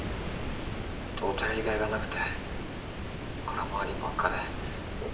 本当頼りがいがなくて空回りばっかで今回も。